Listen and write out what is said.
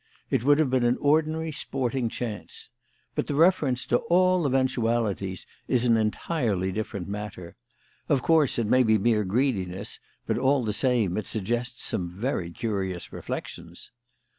It would have been an ordinary sporting chance. But the reference to 'all eventualities' is an entirely different matter. Of course, it may be mere greediness, but all the same, it suggests some very curious reflections."